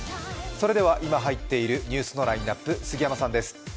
それでは今入っているニュースのラインナップ、杉山さんです。